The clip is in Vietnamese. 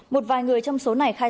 một vài người trong số này khả năng